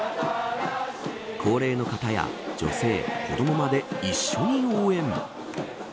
高齢の方や女性子どもまで一緒に応援。